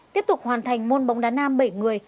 tiếp tục hoàn thành môn bóng đá nam bảy người